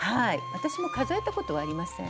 私も数えたことはありません。